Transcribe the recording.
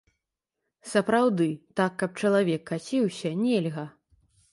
Сапраўды, так, каб чалавек каціўся, нельга.